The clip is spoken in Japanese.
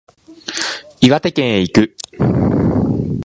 岩手県へ行く